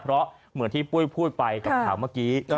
เพราะเหมือนที่ปุ้ยพูดไปกับข่าวเมื่อกี้